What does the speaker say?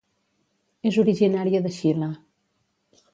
És originària de Xile.